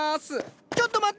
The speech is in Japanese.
ちょっと待った！